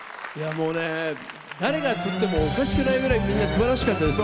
もう、誰がとってもおかしくないぐらいみんなすばらしかったです。